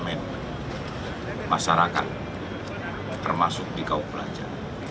tentang kemampuan masyarakat untuk masuk di kauk belanja